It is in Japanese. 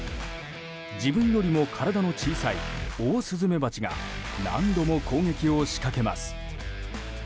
自分よりも体の小さいオオスズメバチが何度も攻撃を仕掛けます。